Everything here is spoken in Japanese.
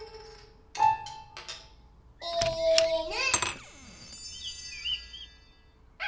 いぬ。